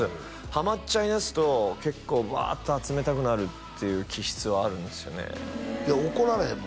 ハマっちゃいだすと結構ブワーッと集めたくなる気質はあるんですよね怒られへんの？